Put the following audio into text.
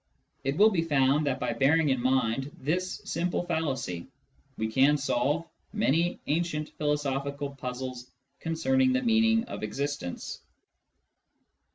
It will be found that by bearing in mind this simple fallacy we can solve many ancient philosophical puzzles concerning the meaning of existence.